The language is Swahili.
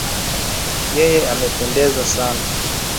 Yeye amependeza sana